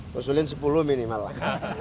ngusulin sepuluh minimal lah